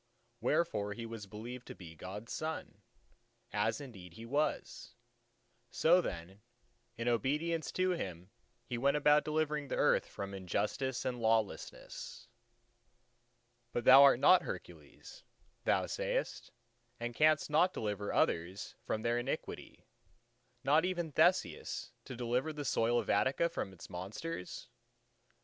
Wherefore he was believed to be God's son, as indeed he was. So then in obedience to Him, he went about delivering the earth from injustice and lawlessness. But thou art not Hercules, thou sayest, and canst not deliver others from their iniquity—not even Theseus, to deliver the soil of Attica from its monsters?